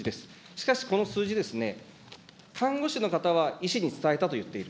しかしこの数字ですね、看護師の方は医師に伝えたと言っている。